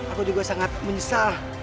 aku juga sangat menyesal